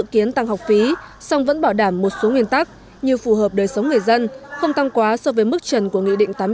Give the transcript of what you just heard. kiến tăng học phí song vẫn bảo đảm một số nguyên tắc như phù hợp đời sống người dân không tăng quá so với mức trần của nghị định tám mươi chín